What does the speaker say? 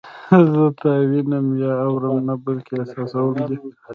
زه تا وینم یا اورم نه بلکې احساسوم دې